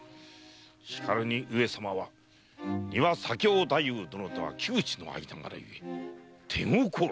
しかるに上様は丹羽左京太夫殿とは旧知の間柄ゆえ手心を。